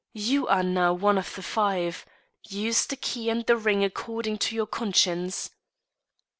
You are now one of the five. Use the key and the ring according to your conscience.